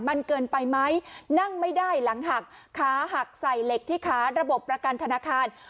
มันเกินไปไหมนั่งไม่ได้หลังหักขาหักใส่เหล็กที่ขาระบบประกันธนาคาร